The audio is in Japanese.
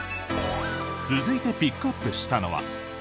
続いてピックアップしたのは。